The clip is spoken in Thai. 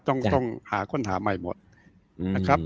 ต้องหาค้นหาใหม่หมดนะครับ